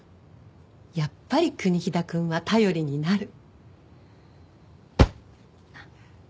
やっぱり国木田くんは頼りになる。